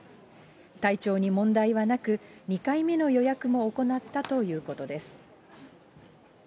体調に問題はなく、２回目の予約も行ったということです。